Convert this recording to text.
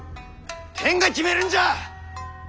天が決めるんじゃ！